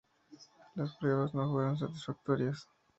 Las pruebas no fueron satisfactorias.